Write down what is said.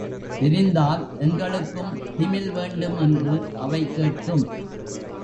தெரிந்தால், எங்களுக் கும் திமில் வேண்டும், என்று அவை கேட்கும்.